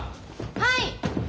はい！